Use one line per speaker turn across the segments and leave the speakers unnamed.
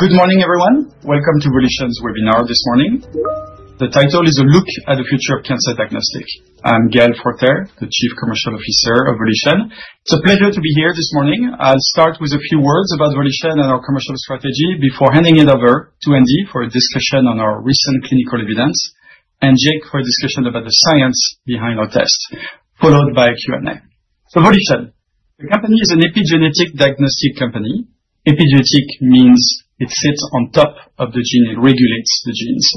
Good morning, everyone. Welcome to Volition's webinar this morning. The title is: A Look at the Future of Cancer Diagnostic. I'm Gael Forterre, the Chief Commercial Officer of Volition. It's a pleasure to be here this morning. I'll start with a few words about Volition and our commercial strategy before handing it over to Andy for a discussion on our recent clinical evidence, and Jake for a discussion about the science behind our test, followed by a Q&A. Volition. The company is an epigenetic diagnostic company. Epigenetic means it sits on top of the gene, it regulates the genes.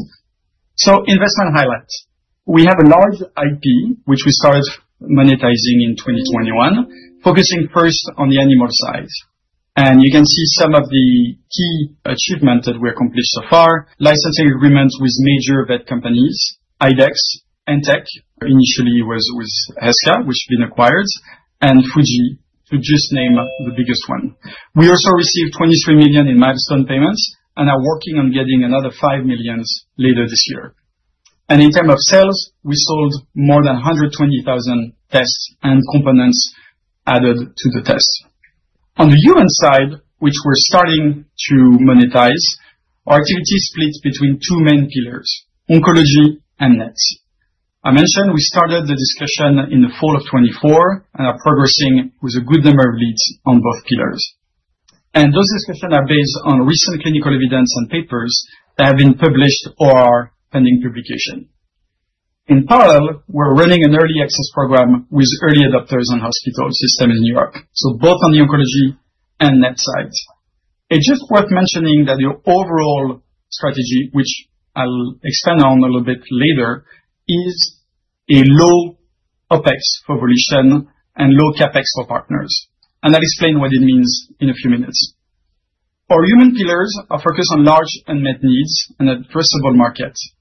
Investment highlights. We have a large IP, which we started monetizing in 2021, focusing first on the animal side. You can see some of the key achievements that we accomplished so far. Licensing agreements with major vet companies, IDEXX, Antech Diagnostics, initially was Heska Corporation, which has been acquired, and Fujifilm, to just name the biggest one. We also received $23 million in milestone payments and are working on getting another $5 million later this year. In terms of sales, we sold more than 120,000 tests and components added to the test. On the human side, which we're starting to monetize, our activity splits between 2 main pillars, oncology and NET. I mentioned we started the discussion in the fall of 2024 and are progressing with a good number of leads on both pillars. Those discussions are based on recent clinical evidence and papers that have been published or are pending publication. In parallel, we're running an early access program with early adopters and hospital system in N.Y., both on the oncology and NET side. It's just worth mentioning that the overall strategy, which I'll expand on a little bit later, is a low OPEX for Volition and low CapEx for partners. I'll explain what it means in a few minutes. Our human pillars are focused on large unmet needs and addressable markets.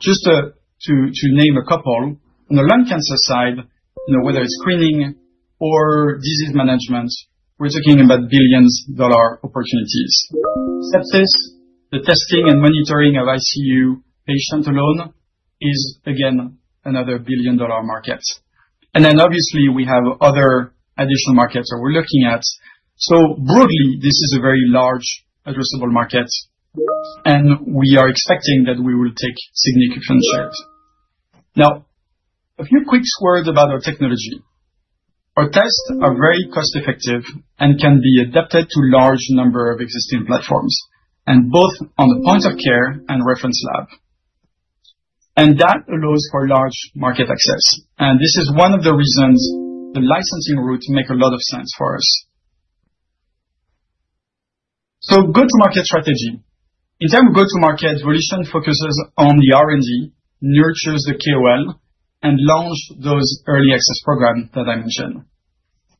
Just to name a couple, on the lung cancer side, whether it's screening or disease management, we're talking about billion-dollar opportunities. Sepsis, the testing and monitoring of ICU patients alone is again, another billion-dollar market. Obviously we have other additional markets that we're looking at. Broadly, this is a very large addressable market, we are expecting that we will take significant shares. Now, a few quick words about our technology. Our tests are very cost-effective and can be adapted to a large number of existing platforms, both on the point of care and reference laboratory. That allows for large market access. This is one of the reasons the licensing route makes a lot of sense for us. Go-to-market strategy. In terms of go-to-market, Volition focuses on the R&D, nurtures the KOL, and launches those early access programs that I mentioned.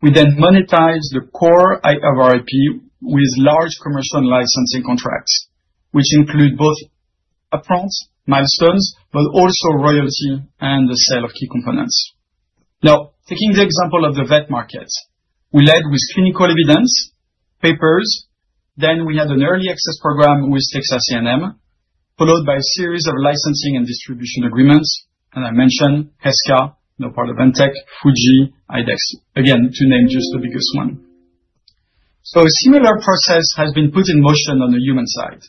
We monetize the core of our IP with large commercial licensing contracts, which include both upfront milestones, but also royalties and the sale of key components. Now, taking the example of the vet market, we led with clinical evidence, papers, then we had an early access program with Texas A&M University, followed by a series of licensing and distribution agreements. I mentioned Heska Corporation, now part of Antech Diagnostics, Fujifilm, IDEXX, again, to name just the biggest one. A similar process has been put in motion on the human side.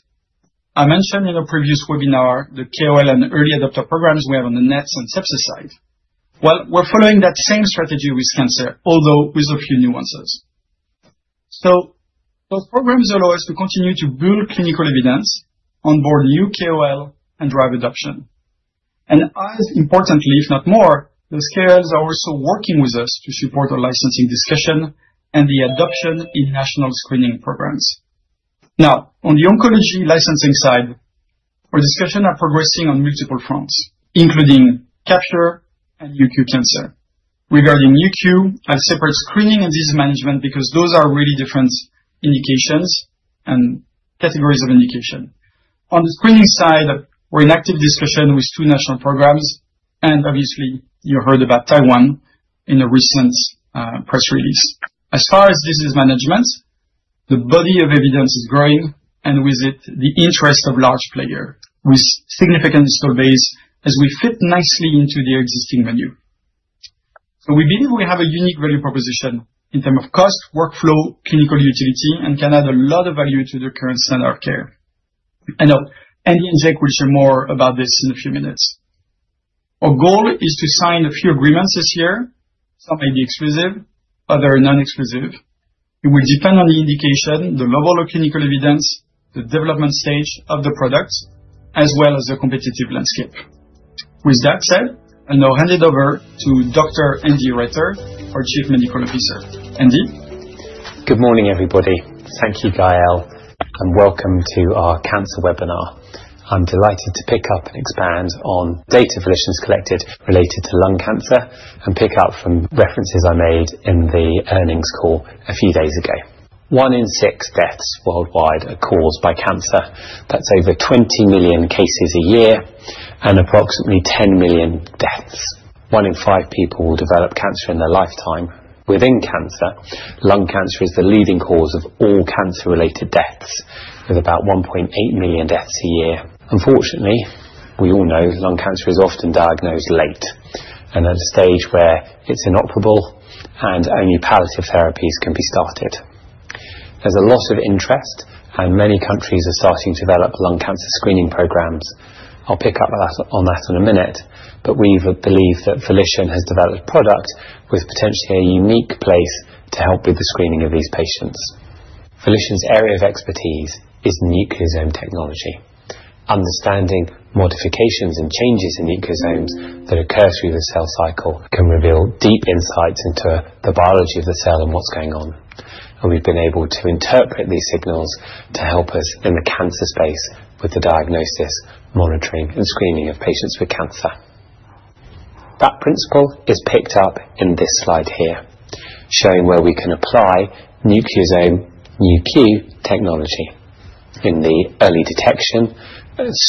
I mentioned in a previous webinar the KOL and early adopter programs we have on the NET and sepsis side. We're following that same strategy with cancer, although with a few nuances. Those programs allow us to continue to build clinical evidence, onboard new KOL, and drive adoption. As importantly, if not more, those KOLs are also working with us to support our licensing discussion and the adoption in national screening programs. On the oncology licensing side, our discussion are progressing on multiple fronts, including Capture-Seq and Nu.Q Cancer. Regarding Nu.Q, I separate screening and disease management because those are really different indications and categories of indication. On the screening side, we're in active discussion with two national programs, and obviously, you heard about Taiwan in a recent press release. As far as disease management, the body of evidence is growing, and with it, the interest of large player with significant install base, as we fit nicely into their existing menu. We believe we have a unique value proposition in term of cost, workflow, clinical utility, and can add a lot of value to their current standard of care. I know Andy and Jake will share more about this in a few minutes. Our goal is to sign a few agreements this year. Some may be exclusive, other non-exclusive. It will depend on the indication, the level of clinical evidence, the development stage of the product, as well as the competitive landscape. With that said, I now hand it over to Dr. Andy Retter, our Chief Medical Officer. Andy?
Good morning, everybody. Thank you, Gael, and welcome to our cancer webinar. I'm delighted to pick up and expand on data Volition's collected related to lung cancer and pick up from references I made in the earnings call a few days ago. One in six deaths worldwide are caused by cancer. That's over 20 million cases a year and approximately 10 million deaths. One in five people will develop cancer in their lifetime. Within cancer, lung cancer is the leading cause of all cancer-related deaths, with about 1.8 million deaths a year. Unfortunately, we all know lung cancer is often diagnosed late. At a stage where it's inoperable, and only palliative therapies can be started. There's a lot of interest, and many countries are starting to develop lung cancer screening programs. I'll pick up on that in a minute. We believe that Volition has developed a product with potentially a unique place to help with the screening of these patients. Volition's area of expertise is nucleosome technology. Understanding modifications and changes in nucleosomes that occur through the cell cycle can reveal deep insights into the biology of the cell and what's going on. We've been able to interpret these signals to help us in the cancer space with the diagnosis, monitoring, and screening of patients with cancer. That principle is picked up in this slide here, showing where we can apply nucleosome Nu.Q technology. In the early detection,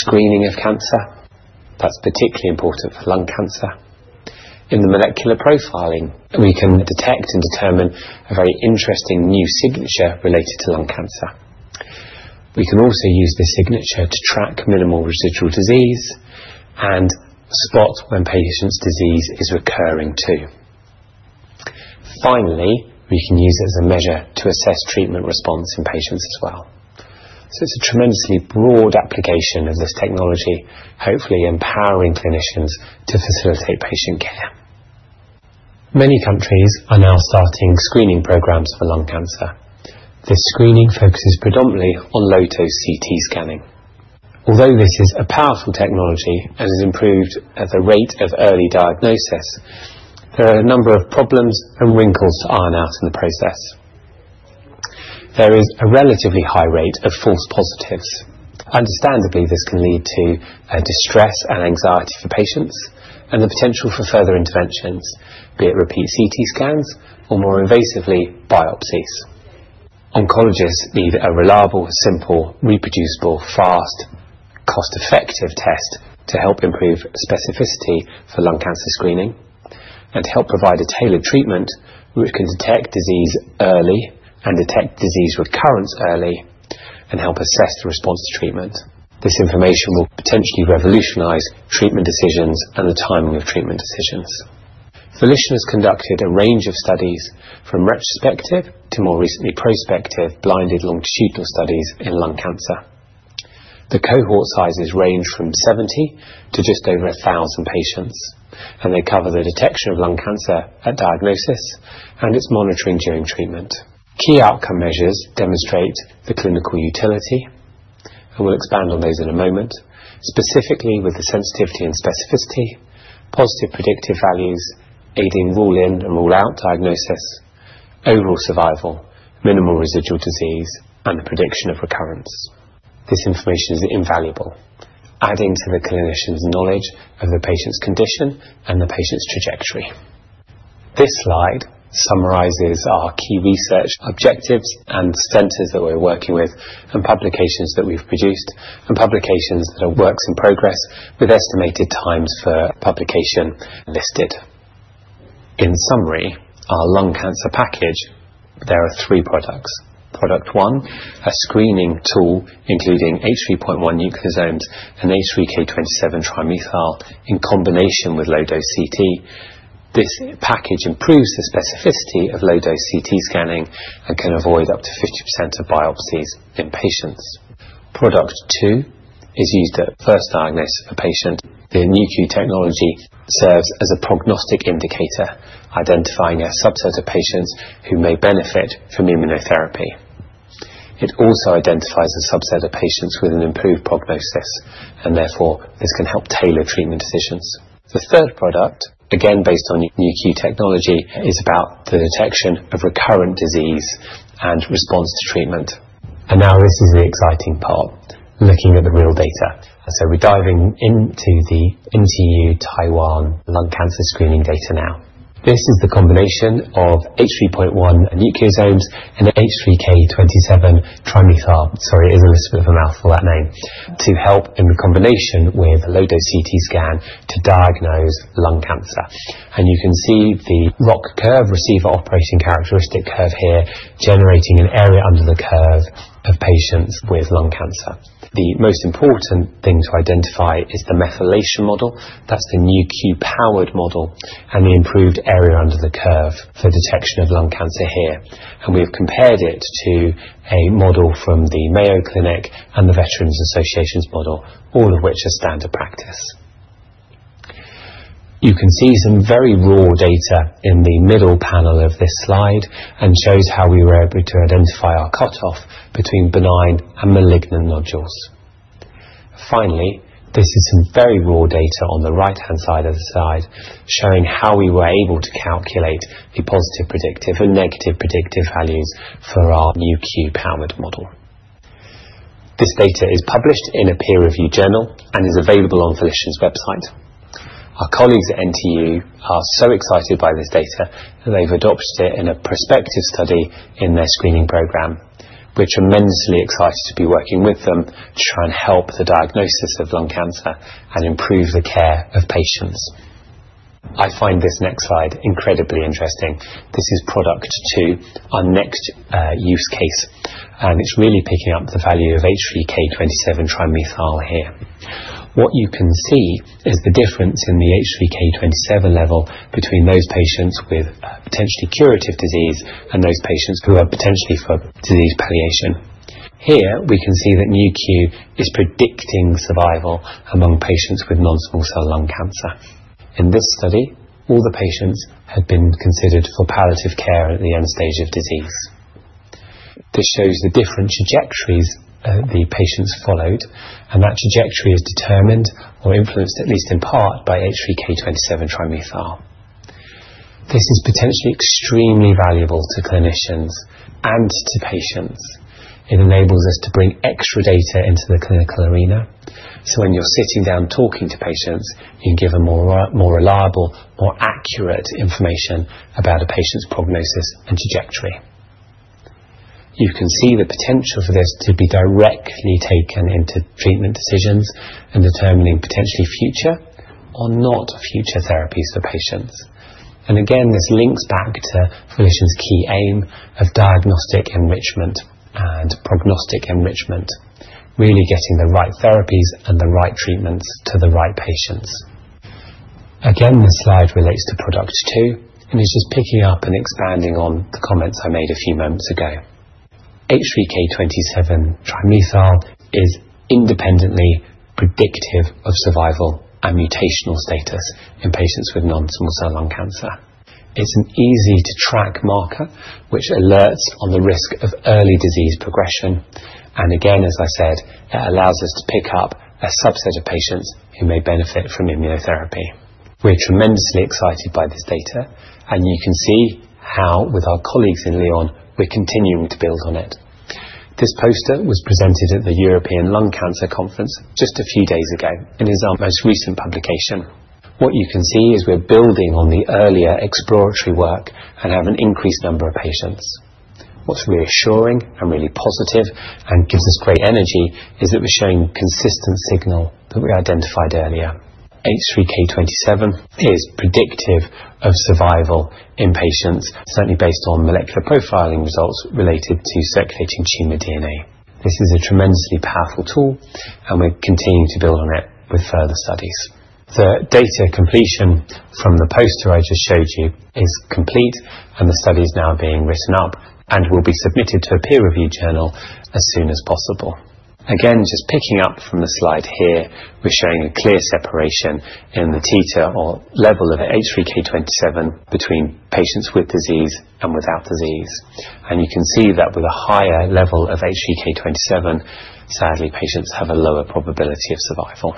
screening of cancer, that's particularly important for lung cancer. In the molecular profiling, we can detect and determine a very interesting new signature related to lung cancer. We can also use this signature to track minimal residual disease and spot when patients' disease is recurring too. Finally, we can use it as a measure to assess treatment response in patients as well. It's a tremendously broad application of this technology, hopefully empowering clinicians to facilitate patient care. Many countries are now starting screening programs for lung cancer. This screening focuses predominantly on low-dose CT scanning. Although this is a powerful technology and has improved the rate of early diagnosis, there are a number of problems and wrinkles to iron out in the process. There is a relatively high rate of false positives. Understandably, this can lead to distress and anxiety for patients and the potential for further interventions, be it repeat CT scans or, more invasively, biopsies. Oncologists need a reliable, simple, reproducible, fast, cost-effective test to help improve specificity for lung cancer screening and help provide a tailored treatment which can detect disease early and detect disease recurrence early and help assess the response to treatment. This information will potentially revolutionize treatment decisions and the timing of treatment decisions. Volition has conducted a range of studies from retrospective to, more recently, prospective blinded longitudinal studies in lung cancer. The cohort sizes range from 70 to just over 1,000 patients, and they cover the detection of lung cancer at diagnosis and its monitoring during treatment. Key outcome measures demonstrate the clinical utility, and we'll expand on those in a moment, specifically with the sensitivity and specificity, positive predictive values, aiding rule-in and rule-out diagnosis, overall survival, minimal residual disease, and the prediction of recurrence. This information is invaluable, adding to the clinician's knowledge of the patient's condition and the patient's trajectory. This slide summarizes our key research objectives and centers that we're working with and publications that we've produced and publications that are works in progress with estimated times for publication listed. In summary, our lung cancer package, there are three products. Product 1, a screening tool including H3.1 nucleosomes and H3K27me3 in combination with low-dose CT. This package improves the specificity of low-dose CT scanning and can avoid up to 50% of biopsies in patients. Product 2 is used to first diagnose a patient. The Nu.Q technology serves as a prognostic indicator, identifying a subset of patients who may benefit from immunotherapy. It also identifies a subset of patients with an improved prognosis, and therefore, this can help tailor treatment decisions. The third product, again based on Nu.Q technology, is about the detection of recurrent disease and response to treatment. Now this is the exciting part, looking at the real data. We're diving into the NTU Taiwan lung cancer screening data now. This is the combination of H3.1 nucleosomes and H3K27me3, sorry, it is a bit of a mouthful that name, to help in the combination with a low-dose CT scan to diagnose lung cancer. You can see the ROC curve, Receiver Operating Characteristic curve here, generating an area under the curve of patients with lung cancer. The most important thing to identify is the methylation model, that's the Nu.Q-powered model, and the improved area under the curve for detection of lung cancer here. We've compared it to a model from the Mayo Clinic and the Department of Veterans Affairs' model, all of which are standard practice. You can see some very raw data in the middle panel of this slide, and shows how we were able to identify our cutoff between benign and malignant nodules. Finally, this is some very raw data on the right-hand side of the slide, showing how we were able to calculate the positive predictive and negative predictive values for our Nu.Q-powered model. This data is published in a peer-reviewed journal and is available on Volition's website. Our colleagues at NTU are so excited by this data that they've adopted it in a prospective study in their screening program. We're tremendously excited to be working with them to try and help the diagnosis of lung cancer and improve the care of patients. I find this next slide incredibly interesting. This is product 2, our next use case, and it's really picking up the value of H3K27 trimethyl here. What you can see is the difference in the H3K27 level between those patients with potentially curative disease and those patients who are potentially for disease palliation. Here, we can see that Nu.Q is predicting survival among patients with non-small cell lung cancer. In this study, all the patients had been considered for palliative care at the end stage of disease. This shows the different trajectories the patients followed, and that trajectory is determined or influenced, at least in part, by H3K27 trimethyl. This is potentially extremely valuable to clinicians and to patients. It enables us to bring extra data into the clinical arena, so when you're sitting down talking to patients, you can give a more reliable, more accurate information about a patient's prognosis and trajectory. You can see the potential for this to be directly taken into treatment decisions and determining potentially future or not future therapies for patients. Again, this links back to Volition's key aim of diagnostic enrichment and prognostic enrichment, really getting the right therapies and the right treatments to the right patients. Again, this slide relates to Product 2, and it's just picking up and expanding on the comments I made a few moments ago. H3K27 trimethyl is independently predictive of survival and mutational status in patients with non-small cell lung cancer. It's an easy-to-track marker which alerts on the risk of early disease progression, again, as I said, it allows us to pick up a subset of patients who may benefit from immunotherapy. We're tremendously excited by this data, and you can see how, with our colleagues in Lyon, we're continuing to build on it. This poster was presented at the European Lung Cancer Congress just a few days ago. It is our most recent publication. What you can see is we're building on the earlier exploratory work. We have an increased number of patients. What's reassuring and really positive, and gives us great energy, is that we're showing consistent signal that we identified earlier. H3K27 is predictive of survival in patients, certainly based on molecular profiling results related to circulating tumor DNA. This is a tremendously powerful tool. We continue to build on it with further studies. The data completion from the poster I just showed you is complete. The study's now being written up and will be submitted to a peer review journal as soon as possible. just picking up from the slide here, we're showing a clear separation in the titer or level of H3K27 between patients with disease and without disease. You can see that with a higher level of H3K27, sadly, patients have a lower probability of survival.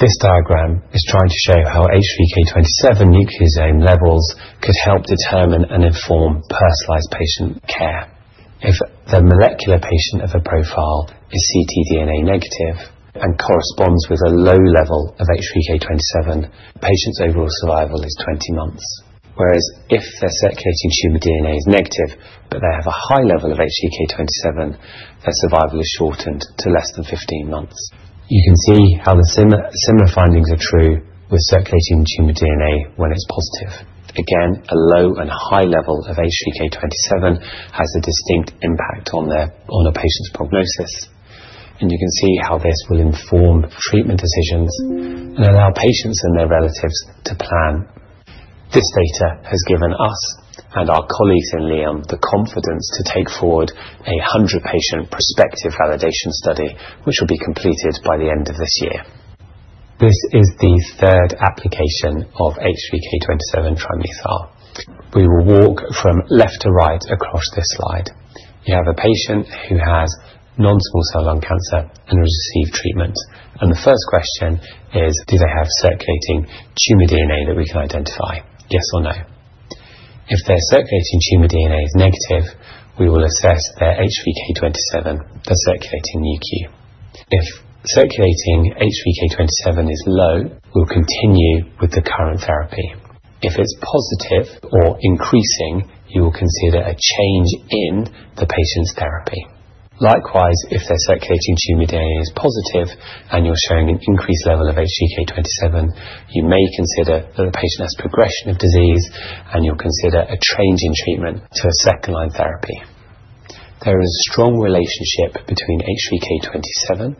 This diagram is trying to show how H3K27 nucleosome levels could help determine and inform personalized patient care. If the molecular patient of a profile is ctDNA negative and corresponds with a low level of H3K27, the patient's overall survival is 20 months. Whereas if their circulating tumor DNA is negative but they have a high level of H3K27, their survival is shortened to less than 15 months. You can see how the similar findings are true with circulating tumor DNA when it's positive. A low and high level of H3K27 has a distinct impact on a patient's prognosis, and you can see how this will inform treatment decisions and allow patients and their relatives to plan. This data has given us and our colleagues in Lyon the confidence to take forward a 100-patient prospective validation study, which will be completed by the end of this year. This is the third application of H3K27 trimethyl. We will walk from left to right across this slide. You have a patient who has non-small cell lung cancer and has received treatment, and the first question is: do they have circulating tumor DNA that we can identify, yes or no? If their circulating tumor DNA is negative, we will assess their H3K27 for circulating Nu.Q. If circulating H3K27 is low, we'll continue with the current therapy. If it's positive or increasing, you will consider a change in the patient's therapy. Likewise, if their circulating tumor DNA is positive and you're showing an increased level of H3K27, you may consider that the patient has progression of disease, and you'll consider a change in treatment to a second-line therapy. There is a strong relationship between H3K27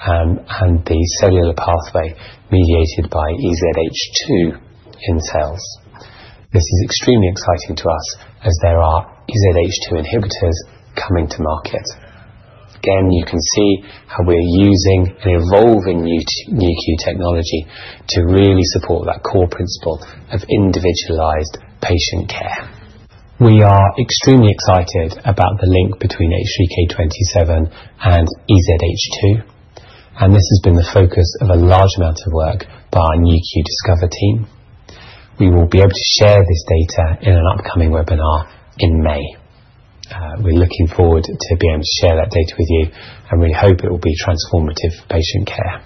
and the cellular pathway mediated by EZH2 in cells. This is extremely exciting to us as there are EZH2 inhibitors coming to market. You can see how we're using an evolving Nu.Q technology to really support that core principle of individualized patient care. We are extremely excited about the link between H3K27 and EZH2, and this has been the focus of a large amount of work by our Nu.Q Discover team. We will be able to share this data in an upcoming webinar in May. We're looking forward to being able to share that data with you, and we hope it will be transformative for patient care.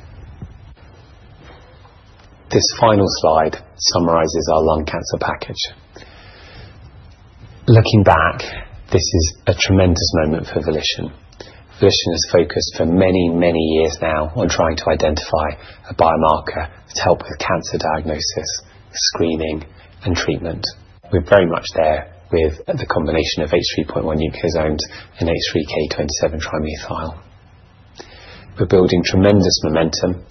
This final slide summarizes our lung cancer package. Looking back, this is a tremendous moment for Volition. Volition has focused for many, many years now on trying to identify a biomarker to help with cancer diagnosis, screening, and treatment. We're very much there with the combination of H3.1 nucleosomes and H3K27 trimethyl. We're building tremendous momentum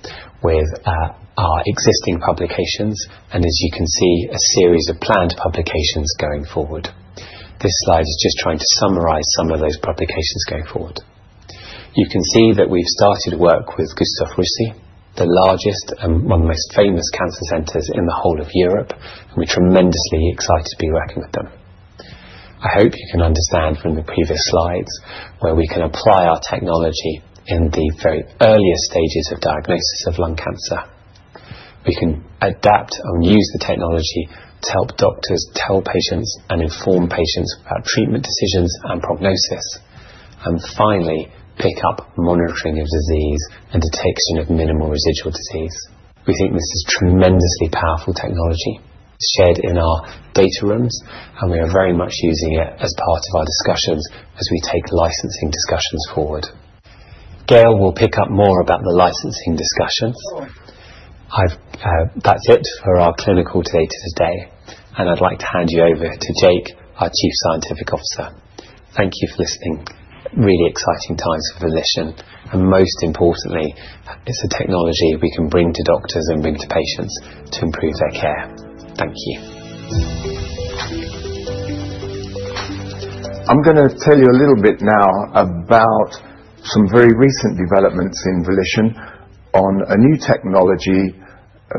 with our existing publications and as you can see, a series of planned publications going forward. This slide is just trying to summarize some of those publications going forward. You can see that we've started work with Gustave Roussy, the largest and one of the most famous cancer centers in the whole of Europe, and we're tremendously excited to be working with them. I hope you can understand from the previous slides where we can apply our technology in the very earliest stages of diagnosis of lung cancer. We can adapt and use the technology to help doctors tell patients and inform patients about treatment decisions and prognosis, and finally, pick up monitoring of disease and detection of minimal residual disease. We think this is tremendously powerful technology shared in our data rooms, and we are very much using it as part of our discussions as we take licensing discussions forward. Gael will pick up more about the licensing discussions. That's it for our clinical data today, and I'd like to hand you over to Jake, our chief scientific officer. Thank you for listening. Really exciting times for Volition, and most importantly, it's the technology we can bring to doctors and bring to patients to improve their care. Thank you.
I'm going to tell you a little bit now about some very recent developments in Volition on a new technology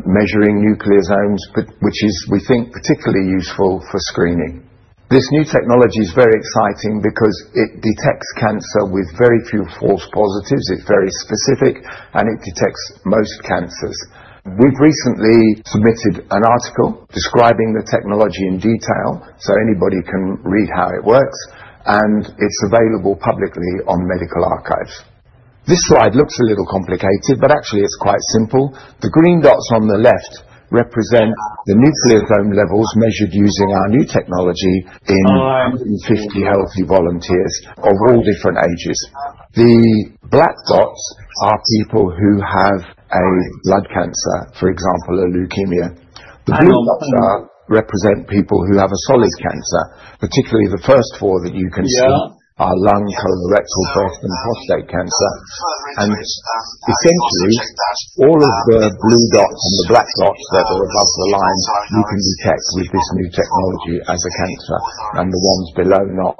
measuring nucleosomes, which is, we think, particularly useful for screening. This new technology is very exciting because it detects cancer with very few false positives, it's very specific, and it detects most cancers. We've recently submitted an article describing the technology in detail so anybody can read how it works, and it's available publicly on medRxiv. This slide looks a little complicated, but actually, it's quite simple. The green dots on the left represent the nucleosome levels measured using our new technology in 150 healthy volunteers of all different ages. The black dots are people who have a blood cancer, for example, a leukemia. The blue dots represent people who have a solid cancer, particularly the first four that you can see are lung, colorectal, breast, and prostate cancer. Essentially, all of the blue dots and the black dots that are above the line, we can detect with this new technology as a cancer, and the ones below not.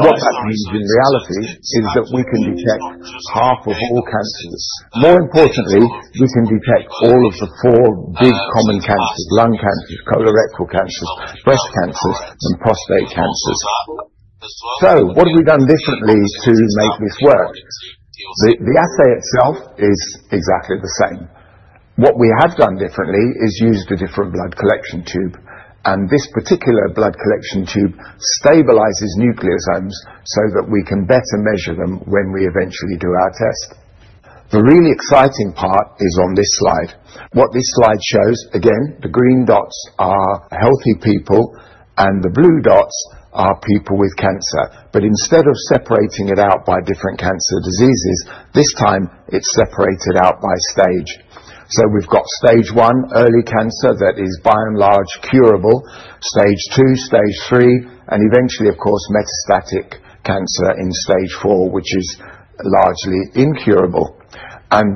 What that means in reality is that we can detect half of all cancers. More importantly, we can detect all of the four big common cancers, lung cancers, colorectal cancers, breast cancers, and prostate cancers. What have we done differently to make this work? The assay itself is exactly the same. What we have done differently is used a different blood collection tube, and this particular blood collection tube stabilizes nucleosomes so that we can better measure them when we eventually do our test. The really exciting part is on this slide. What this slide shows, again, the green dots are healthy people and the blue dots are people with cancer. Instead of separating it out by different cancer diseases, this time it's separated out by stage. We've got stage 1 early cancer that is by and large curable, stage 2, stage 3, and eventually, of course, metastatic cancer in stage 4, which is largely incurable.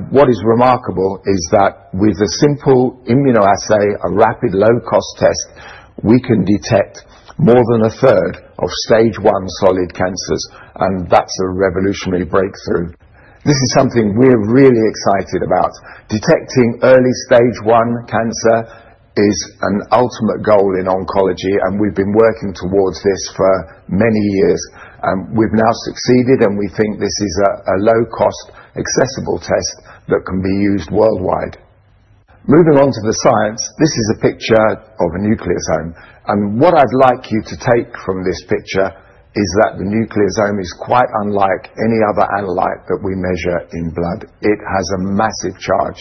What is remarkable is that with a simple immunoassay, a rapid low-cost test, we can detect more than a third of stage 1 solid cancers, and that's a revolutionary breakthrough. This is something we're really excited about. Detecting early stage 1 cancer is an ultimate goal in oncology, and we've been working towards this for many years. We've now succeeded, and we think this is a low-cost, accessible test that can be used worldwide. Moving on to the science, this is a picture of a nucleosome. What I'd like you to take from this picture is that the nucleosome is quite unlike any other analyte that we measure in blood. It has a massive charge.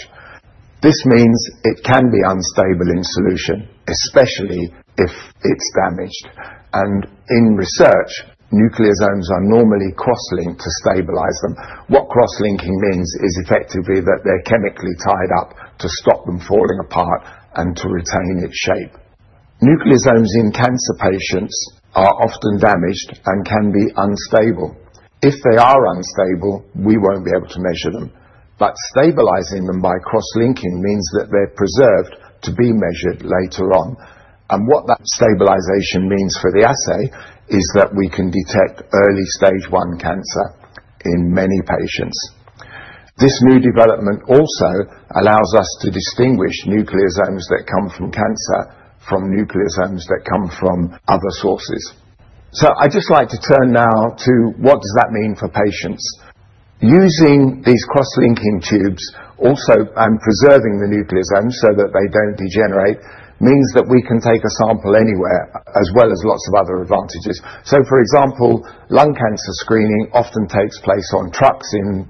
This means it can be unstable in solution, especially if it's damaged. In research, nucleosomes are normally cross-linked to stabilize them. What cross-linking means is effectively that they're chemically tied up to stop them falling apart and to retain its shape. Nucleosomes in cancer patients are often damaged and can be unstable. If they are unstable, we won't be able to measure them. Stabilizing them by cross-linking means that they're preserved to be measured later on. What that stabilization means for the assay is that we can detect early stage 1 cancer in many patients. This new development also allows us to distinguish nucleosomes that come from cancer from nucleosomes that come from other sources. I'd just like to turn now to what does that mean for patients. Using these cross-linking tubes and preserving the nucleosomes so that they don't degenerate means that we can take a sample anywhere, as well as lots of other advantages. For example, lung cancer screening often takes place on trucks in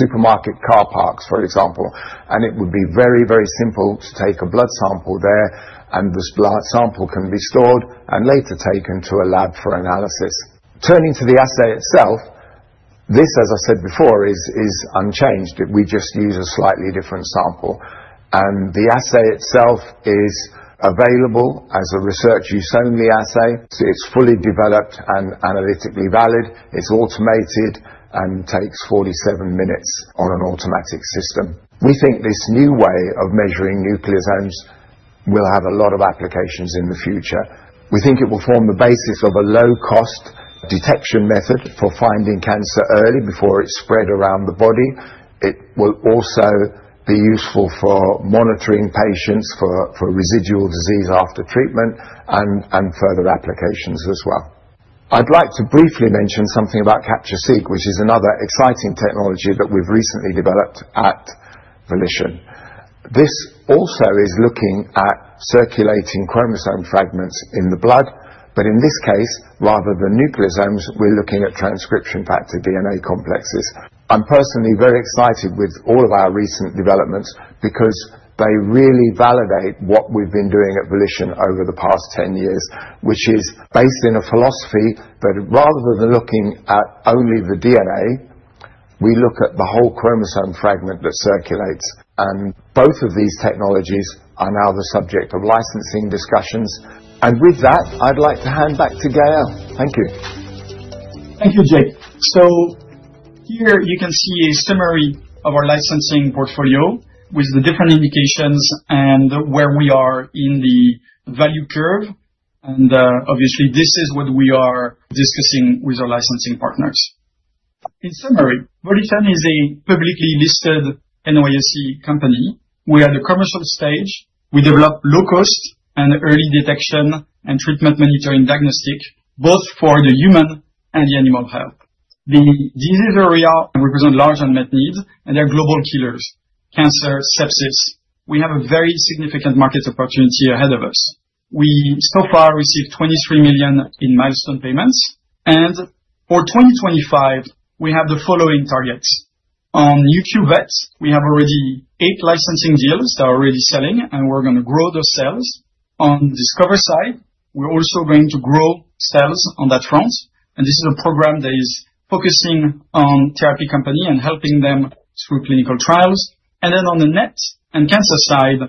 supermarket car parks, for example, and it would be very, very simple to take a blood sample there, and the blood sample can be stored and later taken to a lab for analysis. Turning to the assay itself, this, as I said before, is unchanged. We just use a slightly different sample. The assay itself is available as a research use only assay. It's fully developed and analytically valid. It's automated and takes 47 minutes on an automatic system. We think this new way of measuring nucleosomes will have a lot of applications in the future. We think it will form the basis of a low-cost detection method for finding cancer early before it's spread around the body. It will also be useful for monitoring patients for residual disease after treatment and further applications as well. I'd like to briefly mention something about Capture-Seq, which is another exciting technology that we've recently developed at Volition. This also is looking at circulating chromosome fragments in the blood. In this case, rather than nucleosomes, we're looking at transcription factor DNA complexes. I'm personally very excited with all of our recent developments because they really validate what we've been doing at Volition over the past 10 years, which is based on a philosophy that rather than looking at only the DNA, we look at the whole chromosome fragment that circulates. Both of these technologies are now the subject of licensing discussions. With that, I'd like to hand back to Gael. Thank you.
Thank you, Jake. Here you can see a summary of our licensing portfolio with the different indications and where we are in the value curve. Obviously, this is what we are discussing with our licensing partners. In summary, Volition is a publicly listed NYSE company. We are at the commercial stage. We develop low-cost and early detection and treatment monitoring diagnostic, both for human and animal health. The disease area represent large unmet needs and they're global killers, cancer, sepsis. We have a very significant market opportunity ahead of us. We so far received $23 million in milestone payments. For 2025, we have the following targets. On Nu.Q Vet, we have already eight licensing deals that are already selling, and we're going to grow those sales. On Discover side, we're also going to grow sales on that front. This is a program that is focusing on therapy company and helping them through clinical trials. On the NET and cancer side,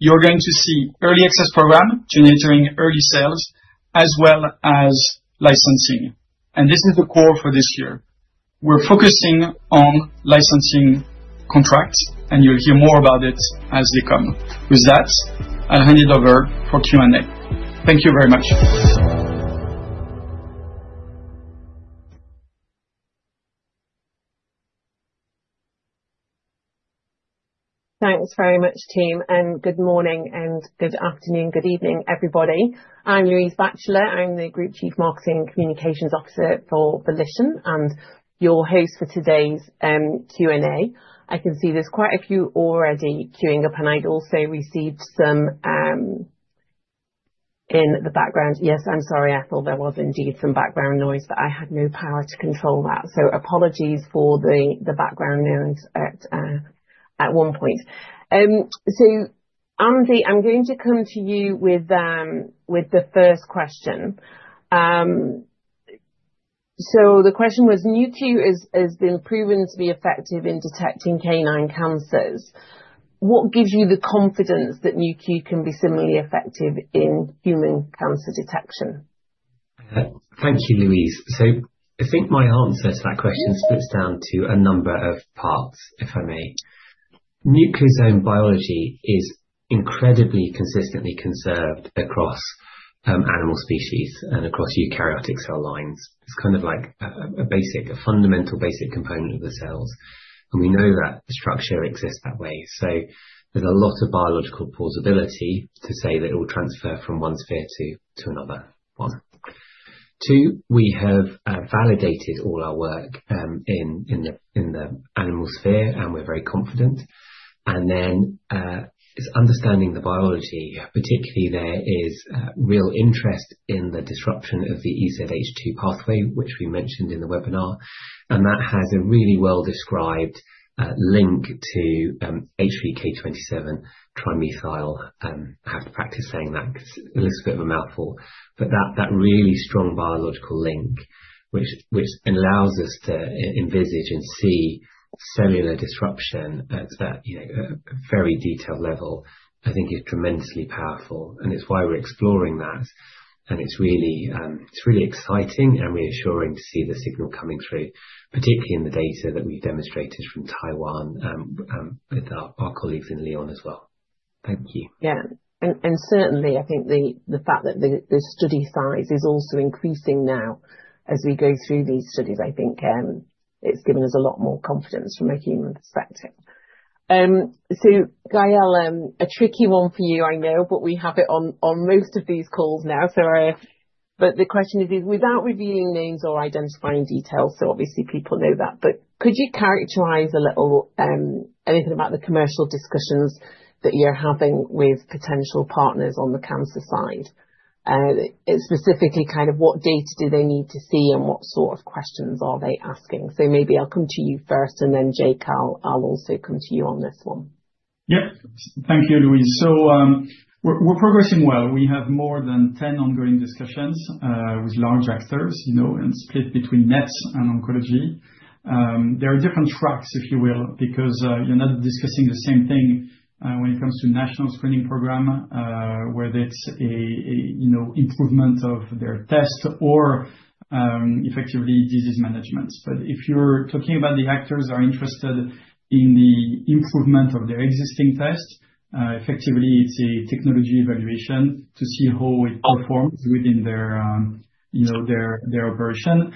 you're going to see early access program generating early sales as well as licensing. This is the core for this year. We're focusing on licensing contracts, and you'll hear more about it as they come. With that, I'll hand it over for Q&A. Thank you very much.
Thanks very much, team, and good morning and good afternoon, good evening, everybody. I'm Louise Batchelor. I'm the Group Chief Marketing Communications Officer for Volition and your host for today's Q&A. I can see there's quite a few already queuing up, and I'd also received some in the background. Yes, I'm sorry, Ethel, there was indeed some background noise, but I had no power to control that. Apologies for the background noise at one point. Andy, I'm going to come to you with the first question. The question was, Nu.Q has been proven to be effective in detecting canine cancers. What gives you the confidence that Nu.Q can be similarly effective in human cancer detection?
Thank you, Louise. I think my answer to that question splits down to a number of parts, if I may. nucleosome biology is incredibly consistently conserved across animal species and across eukaryotic cell lines. It's kind of like a fundamental, basic component of the cells, and we know that the structure exists that way. There's a lot of biological plausibility to say that it will transfer from one sphere to another one. Two, we have validated all our work in the animal sphere, and we're very confident. It's understanding the biology, particularly there is real interest in the disruption of the EZH2 pathway, which we mentioned in the webinar, and that has a really well-described link to H3K27 trimethyl. I have to practice saying that because it looks a bit of a mouthful. That really strong biological link, which allows us to envisage and see cellular disruption at a very detailed level, I think is tremendously powerful, and it's why we're exploring that. It's really exciting and reassuring to see the signal coming through, particularly in the data that we demonstrated from Taiwan with our colleagues in Lyon as well. Thank you.
Yeah. Certainly, I think the fact that the study size is also increasing now as we go through these studies, I think it's given us a lot more confidence from a human perspective. Gael, a tricky one for you, I know, but we have it on most of these calls now. The question is, without revealing names or identifying details, obviously people know that, could you characterize a little, anything about the commercial discussions that you're having with potential partners on the cancer side? Specifically, what data do they need to see and what sort of questions are they asking? Maybe I'll come to you first, and then Jake, I'll also come to you on this one.
Yep. Thank you, Louise. We're progressing well. We have more than 10 ongoing discussions with large actors, split between vets and oncology. There are different tracks, if you will, because you're not discussing the same thing when it comes to national screening program, whether it's an improvement of their test or effectively disease management. If you're talking about the actors are interested in the improvement of their existing test, effectively it's a technology evaluation to see how it performs within their version.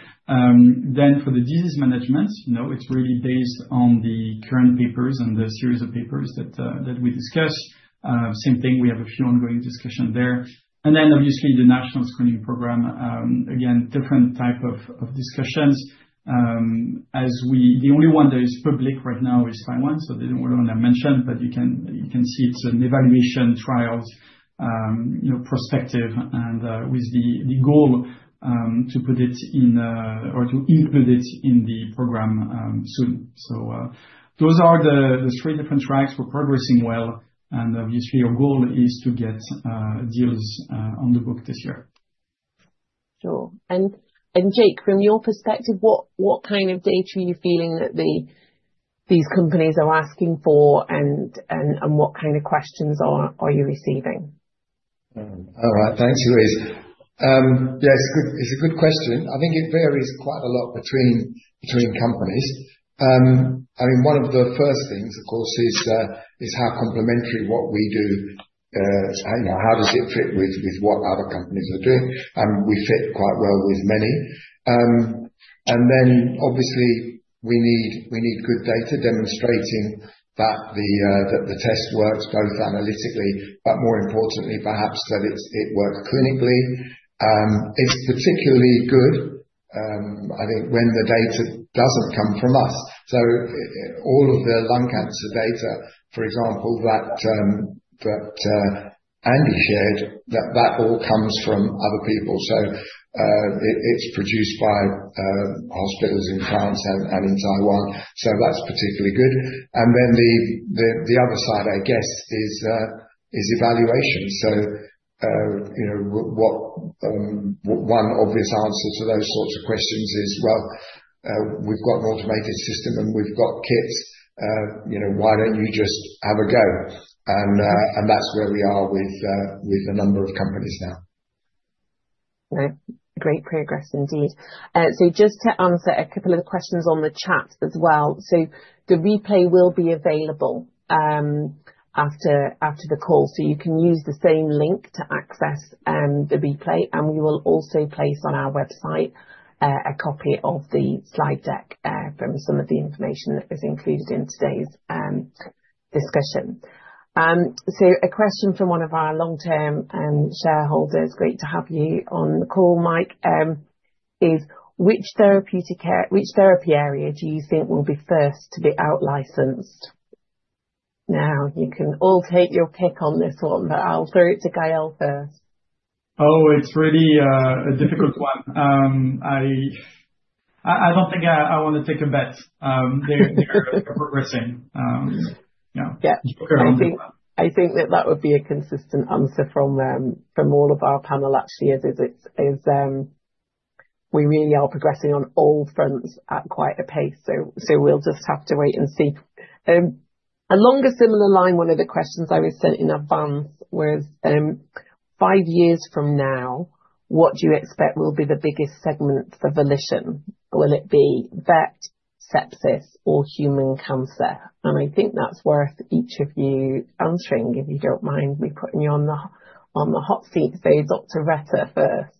For the disease management, it's really based on the current papers and the series of papers that we discuss. Same thing, we have a few ongoing discussion there. Obviously the national screening program, again, different type of discussions. The only one that is public right now is Taiwan, so didn't want to mention, but you can see it's an evaluation trials prospective and with the goal to put it in or to include it in the program soon. Those are the three different tracks. We're progressing well and obviously our goal is to get deals on the book this year.
Sure. Jake, from your perspective, what kind of data are you feeling that these companies are asking for and what kind of questions are you receiving?
All right. Thanks, Louise. Yeah, it's a good question. I think it varies quite a lot between companies. One of the first things, of course, is how complementary what we do, how does it fit with what other companies are doing, and we fit quite well with many. Obviously we need good data demonstrating that the test works both analytically, but more importantly perhaps that it works clinically. It's particularly good, I think, when the data doesn't come from us. All of the lung cancer data, for example, that Andy shared, that all comes from other people. It's produced by hospitals in France and in Taiwan, so that's particularly good. The other side, I guess, is evaluation. One obvious answer to those sorts of questions is, well, we've got an automated system and we've got kits. Why don't you just have a go? That's where we are with a number of companies now.
Right. Great progress indeed. Just to answer a couple of questions on the chat as well. The replay will be available after the call, so you can use the same link to access the replay, and we will also place on our website, a copy of the slide deck from some of the information that was included in today's discussion. A question from one of our long-term shareholders, great to have you on the call, Mike, is, "Which therapy area do you think will be first to be outlicensed?" Now, you can all take your pick on this one, but I'll throw it to Gael first.
Oh, it's really a difficult one. I don't think I want to take a bet. They're progressing.
Yeah.
Okay.
I think that that would be a consistent answer from all of our panel actually, is we really are progressing on all fronts at quite a pace. We'll just have to wait and see. Along a similar line, one of the questions I was sent in advance was, "5 years from now, what do you expect will be the biggest segment for Volition? Will it be vet, sepsis, or human cancer?" I think that's worth each of you answering, if you don't mind me putting you on the hot seat. Dr. Retter first.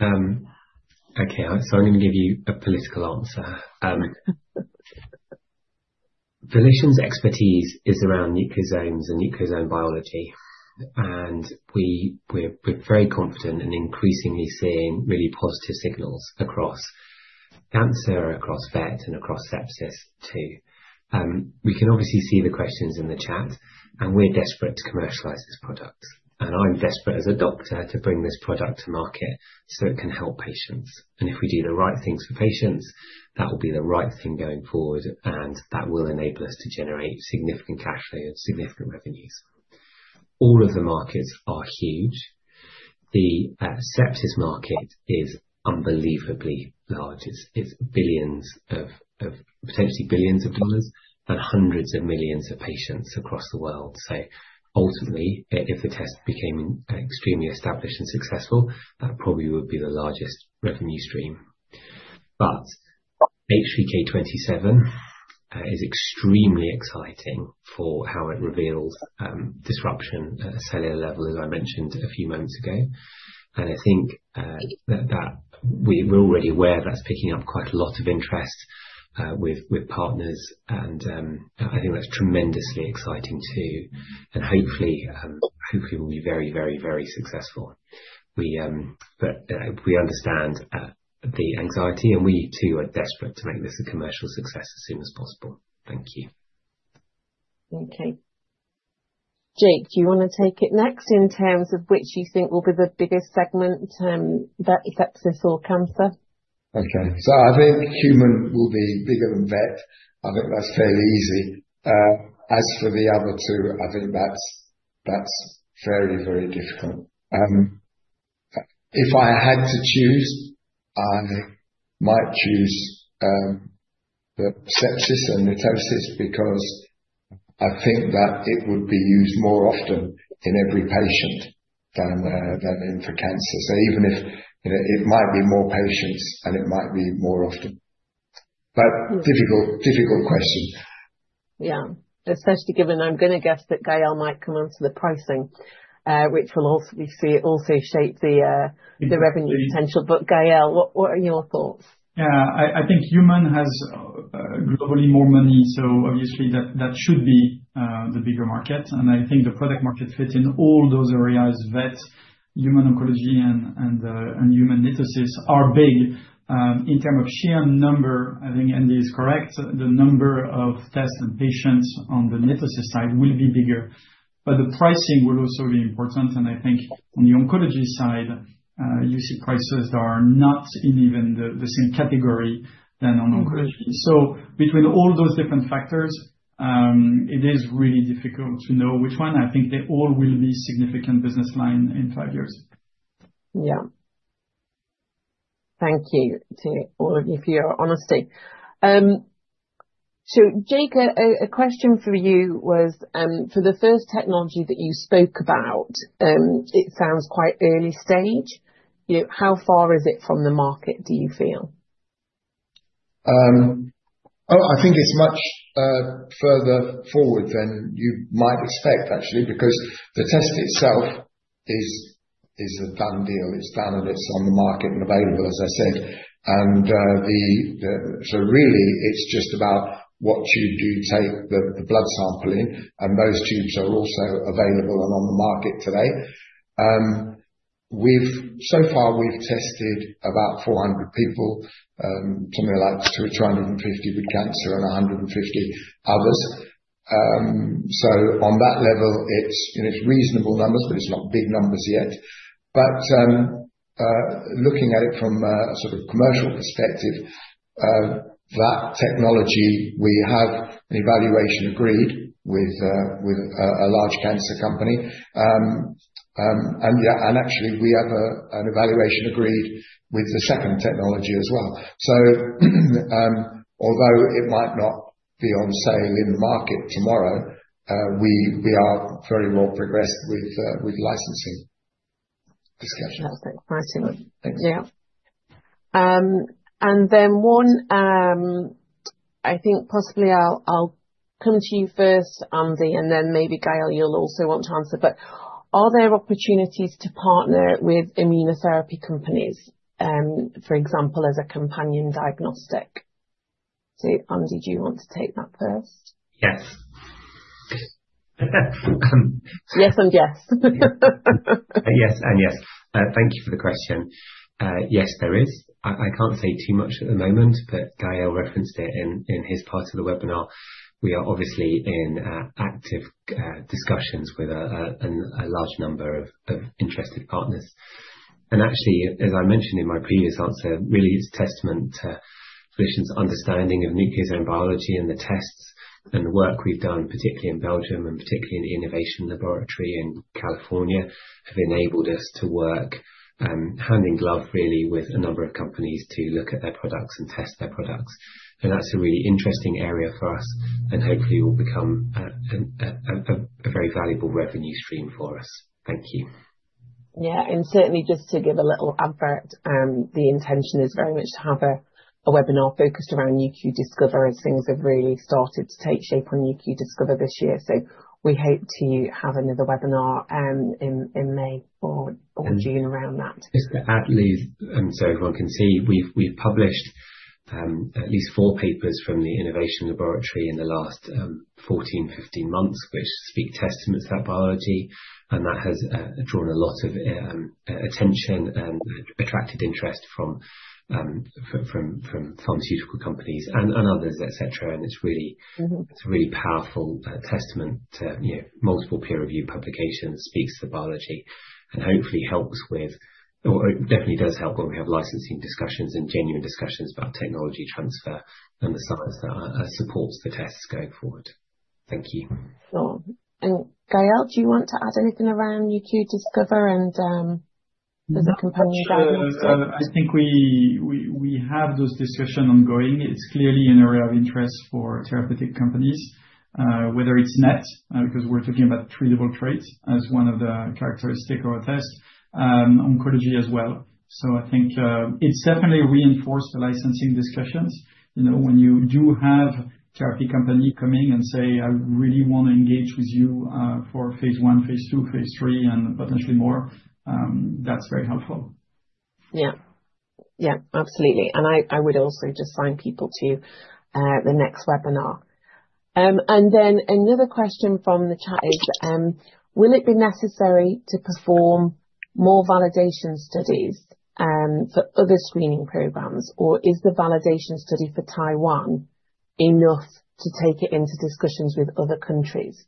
Okay. I'm going to give you a political answer. Volition's expertise is around nucleosomes and nucleosome biology. We're very confident and increasingly seeing really positive signals across cancer, across vet, and across sepsis too. We can obviously see the questions in the chat, we're desperate to commercialize this product. I'm desperate as a doctor to bring this product to market so it can help patients. If we do the right things for patients, that will be the right thing going forward and that will enable us to generate significant cash flow, significant revenues. All of the markets are huge. The sepsis market is unbelievably large. It's potentially $billions and hundreds of millions of patients across the world. Ultimately, if the test became extremely established and successful, that probably would be the largest revenue stream. H3K27 is extremely exciting for how it reveals disruption at a cellular level, as I mentioned a few moments ago. I think that we're already aware that's picking up quite a lot of interest with partners and I think that's tremendously exciting too, and hopefully we'll be very successful. We understand the anxiety and we too are desperate to make this a commercial success as soon as possible. Thank you.
Okay. Jake, do you want to take it next in terms of which you think will be the biggest segment, vet, sepsis or cancer?
Okay. I think human will be bigger than vet. I think that's fairly easy. As for the other two, I think that's very difficult. If I had to choose, I might choose sepsis and NETosis, because I think that it would be used more often in every patient than for cancer. Even if it might be more patients and it might be more often. Difficult question.
Yeah. Especially given, I'm going to guess that Gael might come on to the pricing, which will also shape the revenue potential. Gael, what are your thoughts?
Yeah. I think human has globally more money, obviously that should be the bigger market. I think the product market fit in all those areas, vet, human oncology and human NETosis are big. In terms of sheer number, I think Andy is correct, the number of tests and patients on the NETosis side will be bigger. The pricing will also be important, and I think on the oncology side, you see prices that are not in even the same category than on oncology. Between all those different factors, it is really difficult to know which one. I think they all will be significant business line in five years.
Yeah. Thank you to all of you for your honesty. Jake, a question for you was, for the first technology that you spoke about, it sounds quite early stage. How far is it from the market, do you feel?
I think it's much further forward than you might expect, actually, because the test itself is a done deal. It's done and it's on the market and available, as I said. Really it's just about what tube you take the blood sample in, and those tubes are also available and on the market today. So far we've tested about 400 people, something like 350 with cancer and 150 others. On that level, it's reasonable numbers, but it's not big numbers yet. Looking at it from a sort of commercial perspective, that technology, we have an evaluation agreed with a large cancer company. Actually, we have an evaluation agreed with the second technology as well. Although it might not be on sale in the market tomorrow, we are very well progressed with licensing discussions.
Fantastic.
Thanks.
Yeah. Then one, I think possibly I'll come to you first, Andy, and then maybe Gael, you'll also want to answer. Are there opportunities to partner with immunotherapy companies, for example, as a companion diagnostic? Andy, do you want to take that first?
Yes.
Yes and yes.
Yes and yes. Thank you for the question. Yes, there is. I can't say too much at the moment, but Gael referenced it in his part of the webinar. We are obviously in active discussions with a large number of interested partners. Actually, as I mentioned in my previous answer, really it's a testament to Volition's understanding of nucleosome biology and the tests and the work we've done, particularly in Belgium and particularly in the innovation laboratory in California, have enabled us to work hand in glove, really, with a number of companies to look at their products and test their products. That's a really interesting area for us and hopefully will become a very valuable revenue stream for us. Thank you.
Yeah. Certainly just to give a little advert, the intention is very much to have a webinar focused around Nu.Q Discover as things have really started to take shape on Nu.Q Discover this year. We hope to have another webinar in May or June around that.
Just to add these so everyone can see. We've published at least four papers from the innovation laboratory in the last 14, 15 months, which speak testament to that biology, and that has drawn a lot of attention and attracted interest from pharmaceutical companies and others, et cetera. It's a really powerful testament to multiple peer review publications, speaks to biology, and hopefully helps with it definitely does help when we have licensing discussions and genuine discussions about technology transfer and the science that supports the tests going forward. Thank you.
Sure. Gael, do you want to add anything around Nu.Q Discover and as a companion diagnostic?
I think we have those discussions ongoing. It's clearly an area of interest for therapeutic companies, whether it's NETs, because we're talking about treatable traits as one of the characteristic of a test, oncology as well. I think it's definitely reinforced the licensing discussions. When you do have therapy company coming and say, "I really want to engage with you for phase I, phase II, phase III, and potentially more," that's very helpful.
Yeah. Absolutely. I would also just sign people to the next webinar. Another question from the chat is, will it be necessary to perform more validation studies for other screening programs? Or is the validation study for Taiwan enough to take it into discussions with other countries.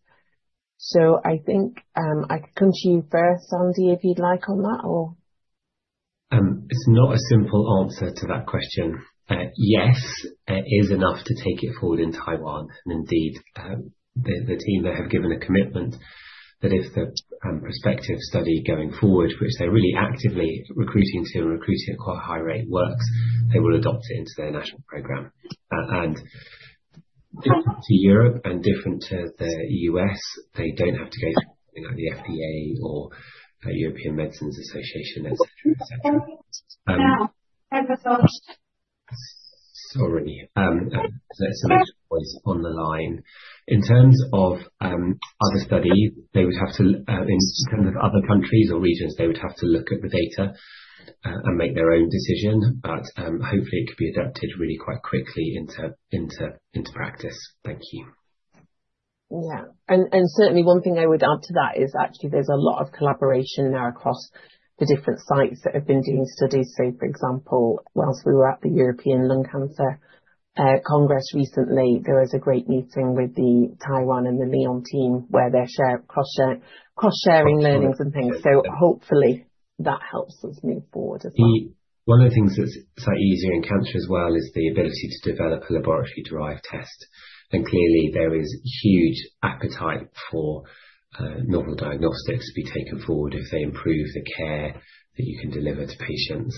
I think I could come to you first, Andy, if you'd like on that or?
It's not a simple answer to that question. Yes, it is enough to take it forward in Taiwan. Indeed, the team there have given a commitment that if the prospective study going forward, which they're really actively recruiting to and recruiting at quite a high rate, works, they will adopt it into their national program. Different to Europe, and different to the U.S., they don't have to go through the FDA or European Medicines Agency, et cetera. Sorry. There's some noise on the line. In terms of other study, in terms of other countries or regions, they would have to look at the data and make their own decision. Hopefully it can be adapted really quite quickly into practice. Thank you.
Yeah. Certainly one thing I would add to that is actually there's a lot of collaboration there across the different sites that have been doing studies. For example, whilst we were at the European Lung Cancer Congress recently, there was a great meeting with the Taiwan and the Lyon team where they're cross-sharing learnings and things. Hopefully that helps us move forward as well.
One of the things that's slightly easier in cancer as well is the ability to develop a laboratory-developed test. Clearly there is huge appetite for novel diagnostics to be taken forward if they improve the care that you can deliver to patients.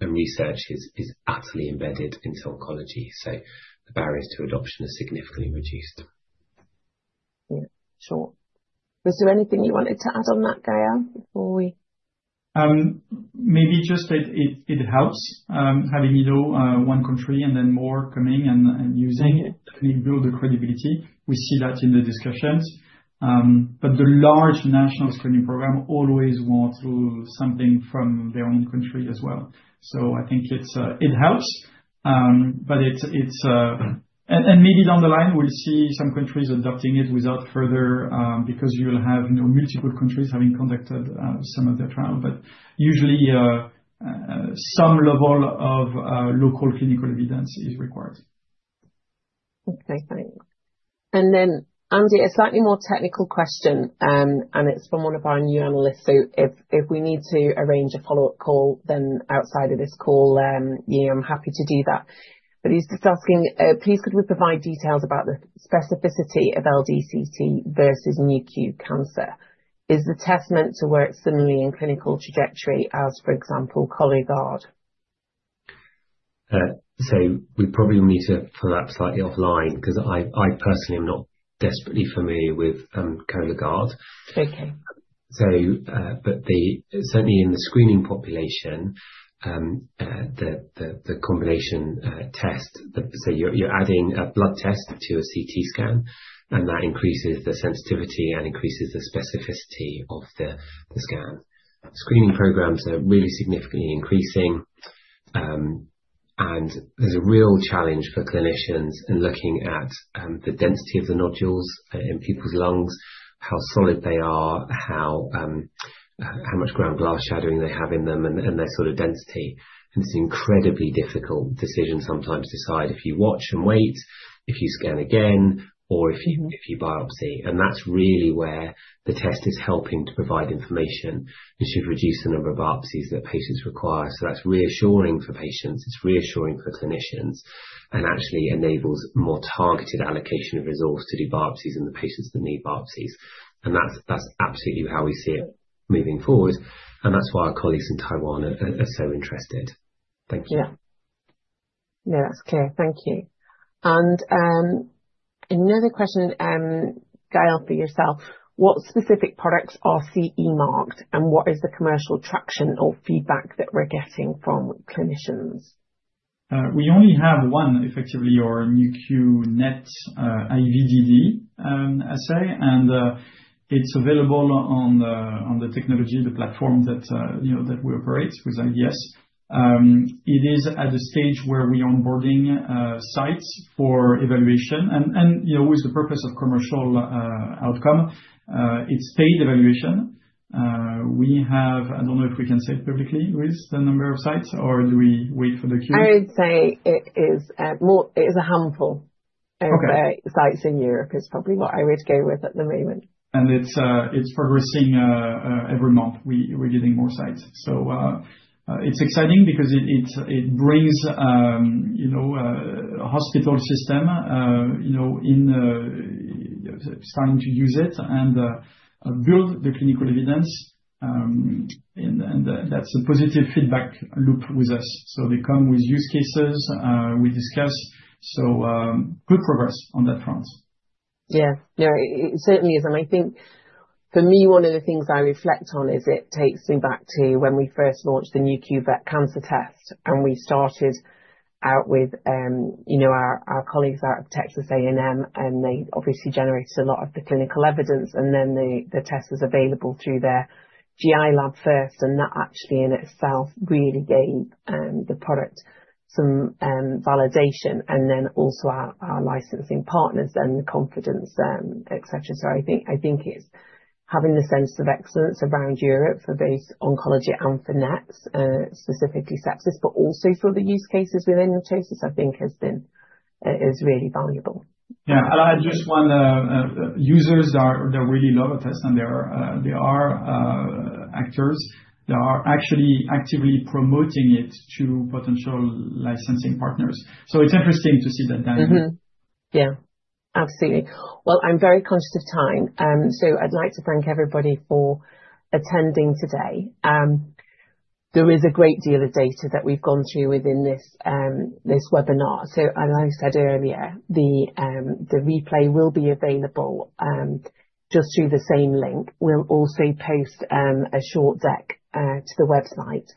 Research is utterly embedded into oncology, so the barriers to adoption are significantly reduced.
Yeah, sure. Was there anything you wanted to add on that, Gael, before we
Maybe just that it helps having one country and then more coming and using it can build the credibility. We see that in the discussions. The large national screening program always want to do something from their own country as well. I think it helps. Maybe down the line we'll see some countries adopting it without further because you'll have multiple countries having conducted some of their trial. Usually some level of local clinical evidence is required.
Okay, thanks. Then Andy, a slightly more technical question, and it's from one of our new analysts, so if we need to arrange a follow-up call then outside of this call, I'm happy to do that. He's just asking, please could we provide details about the specificity of LDCT versus Nu.Q Cancer? Is the test meant to work similarly in clinical trajectory as, for example, Cologuard?
We probably will need to follow up slightly offline because I personally am not desperately familiar with Cologuard.
Okay.
Certainly in the screening population, the combination test, so you're adding a blood test to a CT scan, and that increases the sensitivity and increases the specificity of the scan. Screening programs are really significantly increasing, and there's a real challenge for clinicians in looking at the density of the nodules in people's lungs, how solid they are, how much ground glass opacity they have in them, and their sort of density. It's an incredibly difficult decision sometimes to decide if you watch and wait, if you scan again, or if you biopsy. That's really where the test is helping to provide information. It should reduce the number of biopsies that patients require. That's reassuring for patients, it's reassuring for clinicians, and actually enables more targeted allocation of resource to do biopsies in the patients that need biopsies. That's absolutely how we see it moving forward, and that's why our colleagues in Taiwan are so interested. Thank you.
Yeah. No, that's clear. Thank you. Another question, Gael, for yourself. What specific products are CE marked and what is the commercial traction or feedback that we're getting from clinicians?
We only have one effectively, your Nu.Q NETs IVD assay. It's available on the technology, the platform that we operate with IDS. It is at the stage where we are onboarding sites for evaluation with the purpose of commercial outcome. It's paid evaluation. We have, I don't know if we can say it publicly, Louise, the number of sites or do we wait for the queue?
I would say it is a handful-
Okay
of sites in Europe is probably what I would go with at the moment.
It's progressing every month. We're getting more sites. It's exciting because it brings a hospital system starting to use it and build the clinical evidence. That's a positive feedback loop with us. They come with use cases, we discuss. Good progress on that front.
Yeah. It certainly is. I think for me, one of the things I reflect on is it takes me back to when we first launched the Nu.Q Vet Cancer Test. We started out with our colleagues out of Texas A&M. They obviously generated a lot of the clinical evidence. The test was available through their GI lab first. That actually in itself really gave the product some validation. Also our licensing partners the confidence, et cetera. I think it's having the sense of excellence around Europe for both oncology and for NETs, specifically sepsis, but also for the use cases within NETosis, I think is really valuable.
Yeah. Users, they really love us and they are advocates. They are actually actively promoting it to potential licensing partners. It's interesting to see that dynamic.
Mm-hmm. Yeah. Absolutely. Well, I'm very conscious of time. I'd like to thank everybody for attending today. There is a great deal of data that we've gone through within this webinar. As I said earlier, the replay will be available just through the same link. We'll also post a short deck to the website.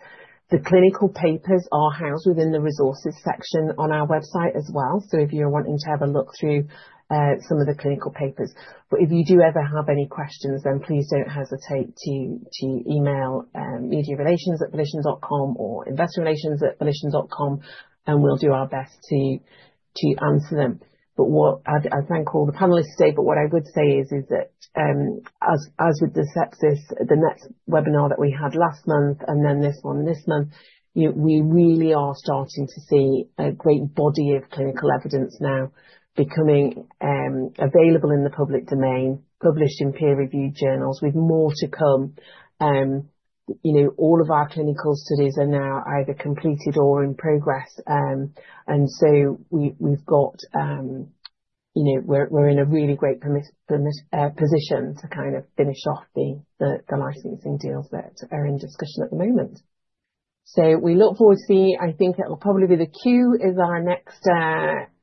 The clinical papers are housed within the resources section on our website as well. If you're wanting to have a look through some of the clinical papers. If you do ever have any questions, then please don't hesitate to email mediarelations@volition.com or investorrelations@volition.com. We'll do our best to answer them. I thank all the panelists today. What I would say is that, as with the sepsis, the next webinar that we had last month. This one this month, we really are starting to see a great body of clinical evidence now becoming available in the public domain, published in peer-reviewed journals, with more to come. All of our clinical studies are now either completed or in progress. We're in a really great position to kind of finish off the licensing deals that are in discussion at the moment. We look forward to see. I think it'll probably be the Nu.Q is our next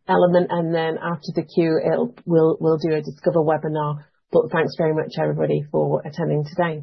element. After the Nu.Q, we'll do a Discover webinar. Thanks very much, everybody, for attending today.